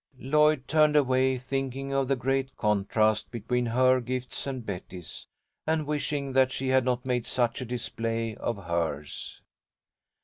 Lloyd turned away, thinking of the great contrast between her gifts and Betty's, and wishing that she had not made such a display of hers.